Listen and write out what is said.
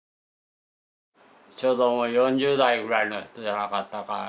ちょうど４０代ぐらいの人じゃなかったか。